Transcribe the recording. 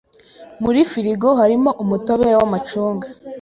Muri firigo harimo umutobe wamacunga.